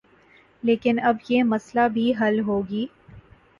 لیکن اب یہ مسئلہ بھی حل ہوگی